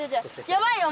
やばいよ